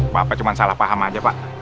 bapak cuma salah paham aja pak